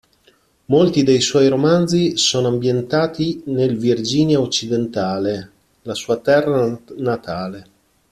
Molti dei suoi romanzi sono ambientati nel Virginia Occidentale, la sua terra natale.